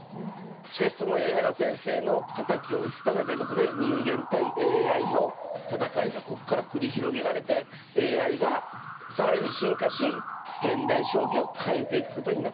しかしその米長先生の敵を討つためということで人間対ＡＩの戦いがこっから繰り広げられてＡＩが更に進化し現代将棋を変えていくことになったと。